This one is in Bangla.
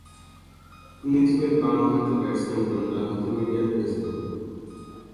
তিনি ছিলেন বাঁহাতি ব্যাটসম্যান এবং ডানহাতি মিডিয়াম পেস বোলার।